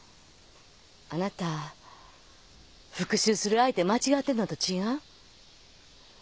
あなた復讐する相手間違ってんのと違う？